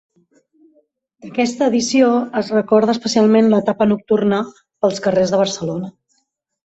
D'aquesta edició es recorda especialment l'etapa nocturna pels carrers de Barcelona.